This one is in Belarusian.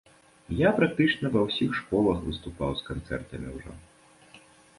Я практычна ва ўсіх школах выступаў з канцэртамі ўжо.